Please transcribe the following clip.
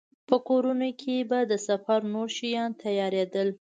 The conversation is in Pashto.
په کورونو کې به د سفر نور شیان تيارېدل.